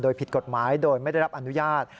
โดยผิดกฎหมายโดยไม่ได้รับอนุญาต